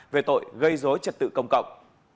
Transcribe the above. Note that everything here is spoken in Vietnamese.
về tội gây dối trật tự công cộng